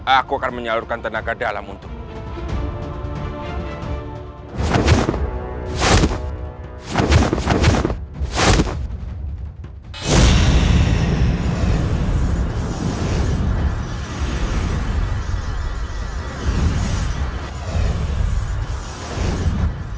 aku akan menyalurkan tenaga dalam untukmu